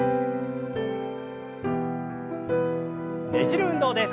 ねじる運動です。